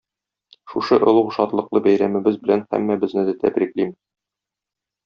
Шушы олуг шатлыклы бәйрәмебез белән һәммәбезне дә тәбриклим.